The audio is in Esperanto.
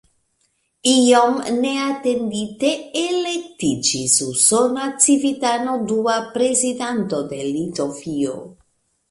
Iom neatendite elektiĝis usona civitano dua prezidanto de Litovio.